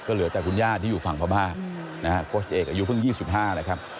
ก็เหลือแต่คุณญาติที่อยู่ฝั่งภาพภาพนะฮะโค้ดเอกอายุเพิ่งยี่สิบห้าแหละครับ